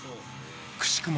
くしくも